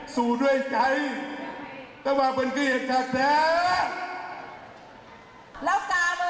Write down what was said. สุดยอด